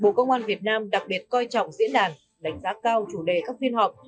bộ công an việt nam đặc biệt coi trọng diễn đàn đánh giá cao chủ đề các phiên họp